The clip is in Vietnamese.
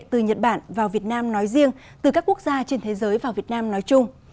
từ nhật bản vào việt nam nói riêng từ các quốc gia trên thế giới vào việt nam nói chung